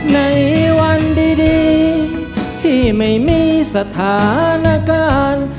ในวันดีที่ไม่มีสถานการณ์